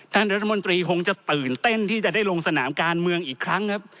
ท่านรัฐมนตรีคงจะตื่นเต้นที่จะได้ลงสนามการเมืองอีกครั้งครับ